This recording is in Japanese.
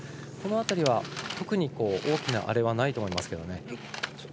この辺りは特に大きな荒れはないと思うんですけどね。